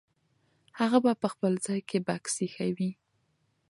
هغه به په خپل ځای کې بکس ایښی وي.